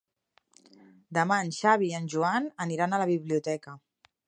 Demà en Xavi i en Joan aniran a la biblioteca.